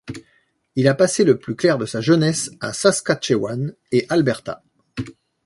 Il a passé le plus clair de sa jeunesse à Saskatchewan et Alberta.